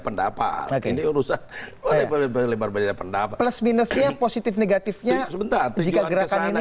pendapat oke ini urusan baru beda pendapat plus minusnya positif negatifnya sebentar tiga gerakan